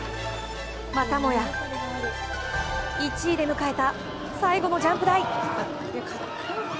またもや１位で迎えた最後のジャンプ台。